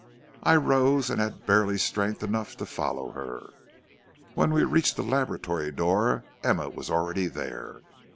"I rose and had barely strength enough to follow her. When we reached the laboratory door Emma was already there.